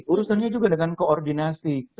urusannya juga dengan koordinasi